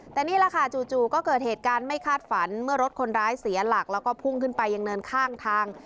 แต่นี่แหละค่ะจู่ก็เกิดเหตุการณ์ไม่คาดฝันเมื่อรถคนร้ายเสียหลักแล้วก็พุ่งขึ้นไปยังเนินข้างทาง